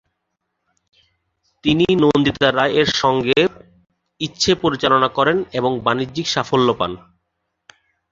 তিনি নন্দিতা রায়-এর সঙ্গে ইচ্ছে পরিচালনা করেন এবং বাণিজ্যিক সাফল্য পান।